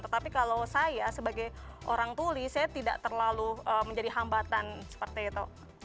tetapi kalau saya sebagai orang tuli saya tidak terlalu menjadi hambatan seperti itu